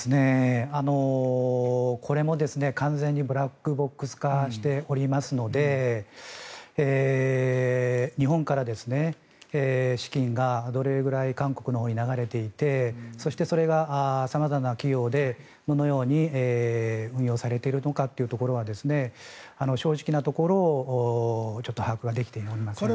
これも完全にブラックボックス化しておりますので日本から資金がどれくらい韓国のほうに流れていてそしてそれが様々な企業でどのように運用されているのかというところは正直なところちょっと把握できておりません。